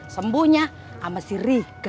sembunya sama si rika